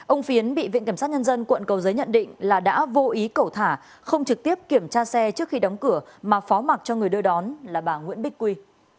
ông phiến bị viện kiểm sát nhân dân quận cầu giấy nhận định là đã vô ý cẩu thả không trực tiếp kiểm tra xe trước khi đóng cửa mà phó mặt cho người đưa đón là bà nguyễn bích quy